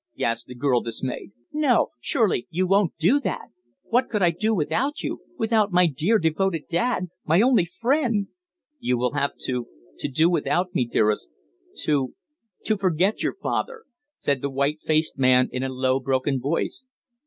gasped the girl, dismayed. "No surely you won't do that? What could I do without you without my dear, devoted dad my only friend!" "You will have to to do without me, dearest to to forget your father," said the white faced man in a low, broken voice.